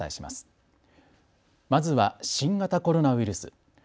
まずは新型コロナウイルス。